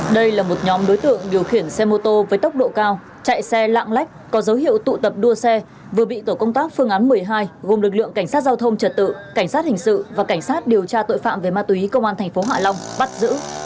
đây là một nhóm đối tượng điều khiển xe mô tô với tốc độ cao chạy xe lạng lách có dấu hiệu tụ tập đua xe vừa bị tổ công tác phương án một mươi hai gồm lực lượng cảnh sát giao thông trật tự cảnh sát hình sự và cảnh sát điều tra tội phạm về ma túy công an tp hạ long bắt giữ